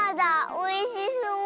おいしそう！